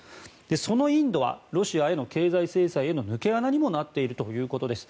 そのインドはロシアへの経済制裁への抜け穴にもなっているということです。